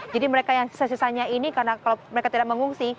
jadi mereka yang sisa sisanya ini karena kalau mereka tidak mengungsi